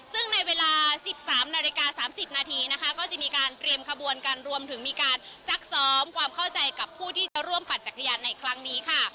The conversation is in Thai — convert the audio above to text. ซึ่งในเวลา๑๓นาฬิกา๓๐นาทีนะคะก็จะมีการเตรียมขบวนกันรวมถึงมีการซักซ้อมความเข้าใจกับผู้ที่จะร่วมปั่นจักรยานในครั้งนี้ค่ะ